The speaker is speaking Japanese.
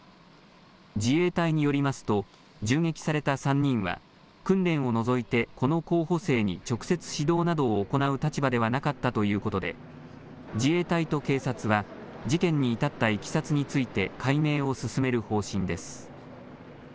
自衛隊によりますと、銃撃された３人は、訓練を除いてこの候補生に直接指導などを行う立場ではなかったということで、自衛隊と警察は、事件に至ったいきさつについて、解明を進める方針です。